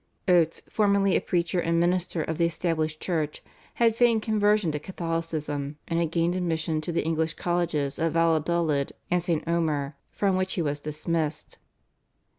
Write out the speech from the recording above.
Oates, formerly a preacher and minister of the Established Church, had feigned conversion to Catholicism, and had gained admission to the English colleges at Valladolid and St. Omer from which he was dismissed.